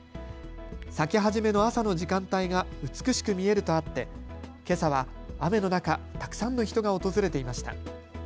咲き始めの朝の時間帯が美しく見えるとあって、けさは雨の中、たくさんの人が訪れていました。